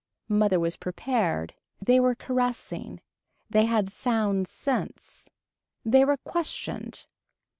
Mother was prepared. They were caressing. They had sound sense. They were questioned.